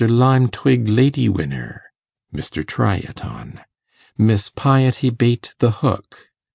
Lime Twig Lady winner, .... MR. TRY IT ON. Miss Piety Bait the hook